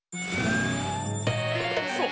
そう。